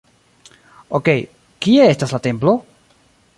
Okej, kie estas la templo?